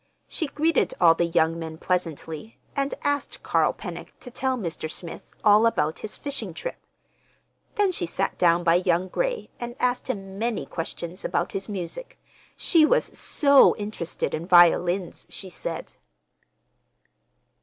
She greeted all the young men pleasantly, and asked Carl Pennock to tell Mr. Smith all about his fishing trip. Then she sat down by young Gray and asked him many questions about his music. She was so interested in violins, she said.